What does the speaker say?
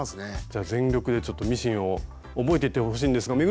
じゃあ全力でちょっとミシンを覚えていってほしいんですが運